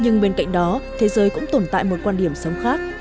nhưng bên cạnh đó thế giới cũng tồn tại một quan điểm sống khác